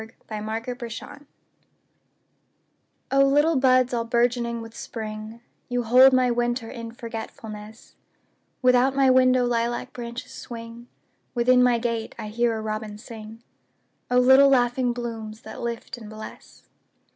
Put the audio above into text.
A Song in Spring O LITTLE buds all bourgeoning with Spring, You hold my winter in forgetfulness; Without my window lilac branches swing, Within my gate I hear a robin sing—O little laughing blooms that lift and bless!